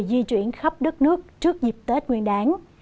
di chuyển khắp đất nước trước dịp tết nguyên đáng